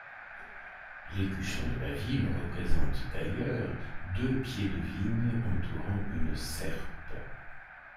L'écusson de la ville représente d'ailleurs deux pieds de vigne entourant une serpe.